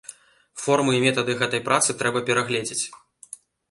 Формы і метады гэтай працы трэба перагледзець.